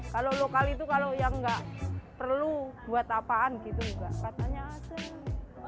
kalau lokal itu kalau yang tidak perlu buat apaan katanya asing